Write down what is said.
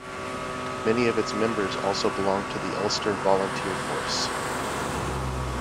Many of its members also belonged to the Ulster Volunteer Force.